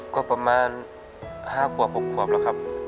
ก็ประมาณ๕ขวบ๖ขวบแล้วครับ